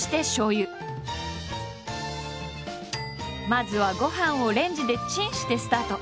まずはご飯をレンジでチンしてスタート。